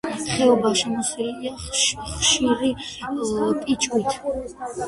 ხეობა შემოსილია ხშირი ფიჭვით.